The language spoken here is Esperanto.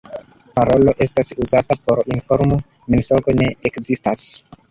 Parolo estas uzata por informo, mensogo ne ekzistas.